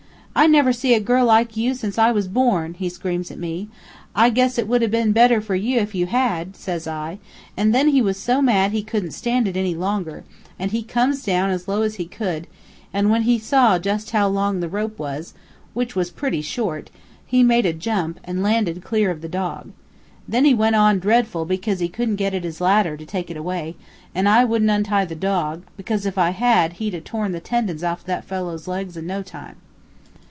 'I never see a girl like you since I was born,' he screams at me. 'I guess it would 'a' been better fur you if you had,' says I; an' then he was so mad he couldn't stand it any longer, and he comes down as low as he could, and when he saw just how long the rope was, which was pretty short, he made a jump, and landed clear of the dog. Then he went on dreadful because he couldn't get at his ladder to take it away; and I wouldn't untie the dog, because if I had he'd 'a' torn the tendons out of that fellow's legs in no time.